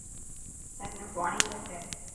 ٿر ۾ پاڻي گھٽ هي.